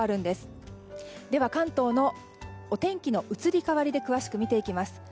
では関東のお天気の移り変わりで詳しく見ていきます。